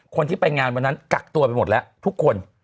คนที่ไปงานวันนั้นกักตัวไปหมดแล้วทุกคน